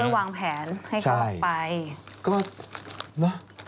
เพราะเป็นคนช่วยวางแผนให้เขาออกไป